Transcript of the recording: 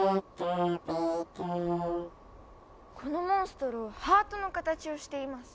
このモンストロハートの形をしています。